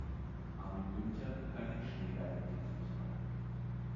Armin Günther begann in Schneeberg mit dem Fußball.